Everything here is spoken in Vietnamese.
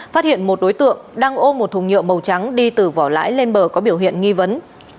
phát hiện một đối tượng đang ô một thùng nhựa màu trắng đi từ vỏ lãi lên bờ có biểu hiện nghi vấn